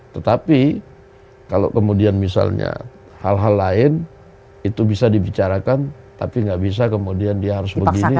tetapi kalau kemudian misalnya hal hal lain itu bisa dibicarakan tapi nggak bisa kemudian dia harus begini